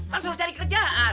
kan suruh cari kerjaan